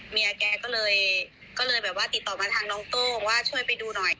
เมียแกก็เลยแบบว่าติดต่อมาทางน้องโต้งว่าช่วยไปดูหน่อย